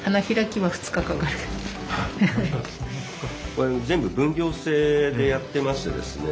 これ全部分業制でやってましてですね。